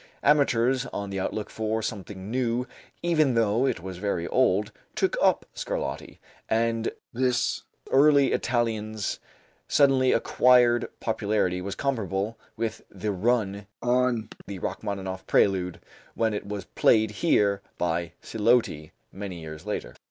Amateurs on the outlook for something new (even though it was very old) took up Scarlatti, and this early Italian's suddenly acquired popularity was comparable with the "run" on the Rachmaninoff "Prelude" when it was played here by Siloti many years later.